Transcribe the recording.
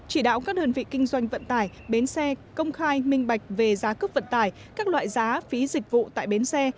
chỉ đạo các đơn vị kinh doanh vận tải bến xe công khai minh bạch về giá cước vận tải các loại giá phí dịch vụ tại bến xe